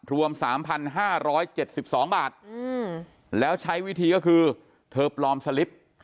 รวมสามพันห้าร้อยเจ็ดสิบสองบาทอืมแล้วใช้วิธีก็คือเธอปลอมสลิป